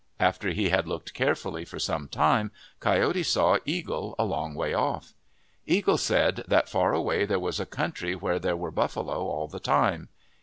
After he had looked carefully for some time, Coyote saw Eagle a long ways off. Eagle said that far away there was a country where there were buffalo all the time.